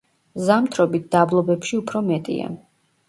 ზამთრობით დაბლობებში უფრო მეტია.